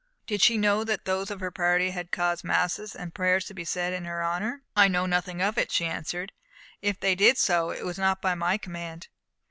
Did she know that those of her party had caused masses and prayers to be said in her honour? "I know nothing of it," she answered, "and if they did so, it was not by my command.